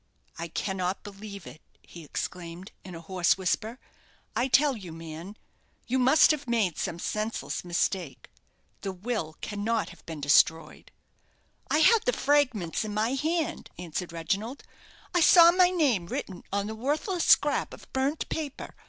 "I cannot believe it," he exclaimed, in a hoarse whisper. "I tell you, man, you must, have made some senseless mistake. The will cannot have been destroyed." "I had the fragments in my hand," answered Reginald. "I saw my name written on the worthless scrap of burnt paper.